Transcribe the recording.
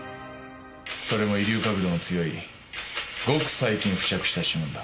それも遺留確度の強いごく最近付着した指紋だ。